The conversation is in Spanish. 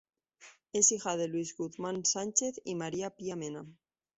Es hija de Luis Guzmán Sánchez y María Pía Mena.